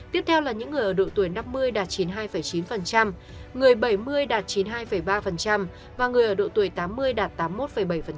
tiếp theo là những người ở độ tuổi năm mươi đạt chín mươi hai chín người bảy mươi đạt chín mươi hai ba và người ở độ tuổi tám mươi đạt tám mươi một bảy